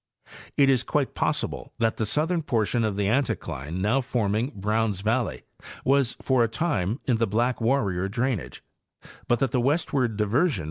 It is quite possible that the southern portion of the anticline now forming Browns valley was for a time in the Black Warrior drainage; but that the westward diversion.